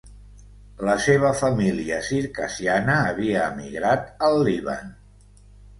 La seva família circassiana havia emigrat al Líban.